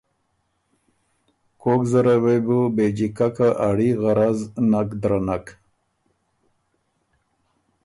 کوک زره وې بو بې جیککه اړي غرض نک درنک۔